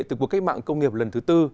từ cuộc cách mạng công nghiệp lần thứ bốn